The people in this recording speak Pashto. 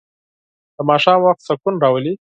د ماښام وخت سکون راولي.